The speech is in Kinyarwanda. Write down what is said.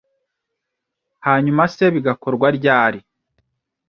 Hanyuma se bigakorwa ryari